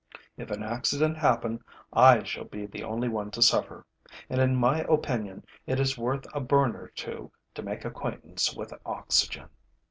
If an accident happen, I shall be the only one to suffer; and, in my opinion, it is worth a burn or two to make acquaintance with oxygen.